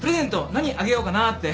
何あげようかなって。